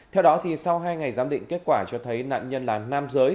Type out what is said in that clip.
theo đó sau hai ngày giám định kết quả cho thấy nạn nhân là nam giới